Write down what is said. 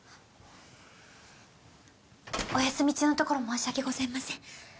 お休み中のところ申し訳ございません。